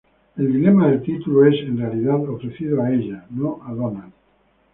El dilema del título es en realidad ofrecido a ella, no a Donald.